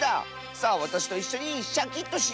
さあわたしといっしょにシャキッとしよう！